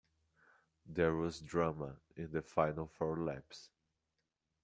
There was drama in the final four laps.